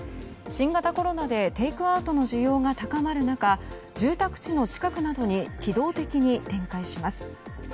新型コロナでテイクアウトの需要が高まる中住宅地の近くなどに機動的に展開します。